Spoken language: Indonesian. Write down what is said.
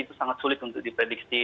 itu sangat sulit untuk diprediksi